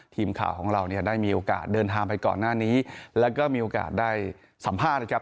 ทีมข่าวของเราเนี่ยได้มีโอกาสเดินทางไปก่อนหน้านี้แล้วก็มีโอกาสได้สัมภาษณ์นะครับ